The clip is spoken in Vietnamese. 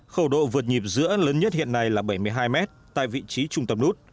khẩu độ vượt nhịp giữa lớn nhất hiện nay là bảy mươi hai mét tại vị trí trung tâm nút